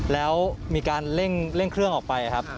แล้วมีการเร่งเครื่องออกไปครับ